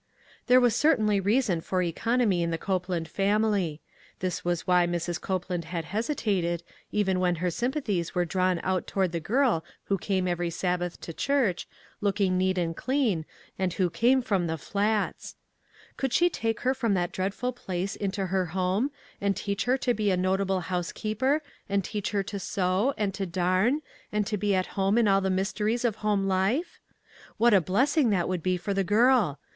There was certainly reason for economy in the Copeland family. This was why FRUIT FROM THE PICNIC. 165 Mrs. Copeland had hesitated, even when her sympathies were drawn out toward the girl who came every Sabbath to church, looking neat and clean, and who came from the Flats ! Could she take her from that dreadful place into her home, and teach her to be a notable housekeeper, and teach her to sew, and to darn, and to be at home in all the mysteries of home life ? What a blessing that would be for the girl